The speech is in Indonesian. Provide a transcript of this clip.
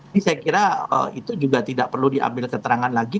ini saya kira itu juga tidak perlu diambil keterangan lagi